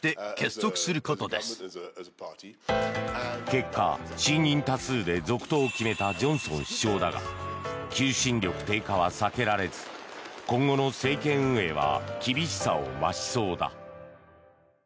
結果、信任多数で続投を決めたジョンソン首相だが求心力低下は避けられず今後の政権運営は厳しさを増しそうだ。